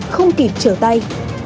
không kịp trở tay